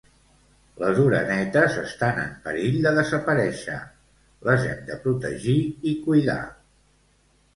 Les orenetes estan en perill de desaparèixer, les hem de protegir i cuidar